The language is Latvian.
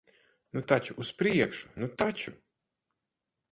Nu taču, uz priekšu. Nu taču!